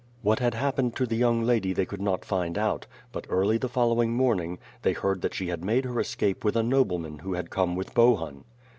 What had happened to the young lady they could not find out, but early the fol lowing morning, they heard that she had made her escape with a nobleman who had come with Bohun.